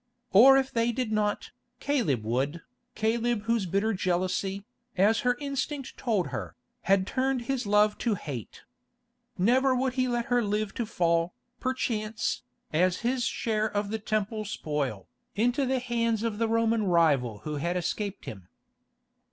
Or if they did not, Caleb would, Caleb whose bitter jealousy, as her instinct told her, had turned his love to hate. Never would he let her live to fall, perchance, as his share of the Temple spoil, into the hands of the Roman rival who had escaped him.